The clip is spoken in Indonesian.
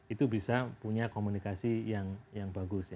itu bisa punya komunikasi yang bagus